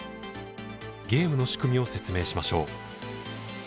ゲームの仕組みを説明しましょう。